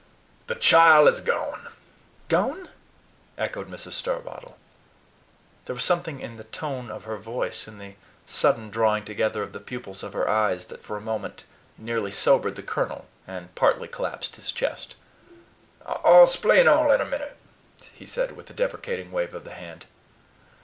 The chile is gone!" "Gone!" echoed Mrs. Starbottle. There was something in the tone of her voice, in the sudden drawing together of the pupils of her eyes, that for a moment nearly sobered the colonel, and partly collapsed his chest. "I'll splain all in a minit," he said with a deprecating wave of the hand.